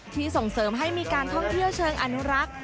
ส่งเสริมให้มีการท่องเที่ยวเชิงอนุรักษ์